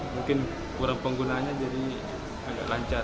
mungkin kurang penggunanya jadi agak lancar